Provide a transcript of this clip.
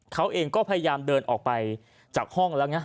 เขาเองก็พยายามเดินออกไปจากห้องแล้วไง